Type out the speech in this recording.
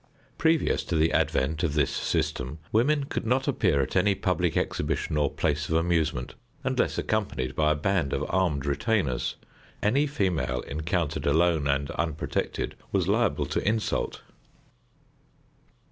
Previous to the advent of this system, women could not appear at any public exhibition or place of amusement unless accompanied by a band of armed retainers. Any female encountered alone and unprotected was liable to insult.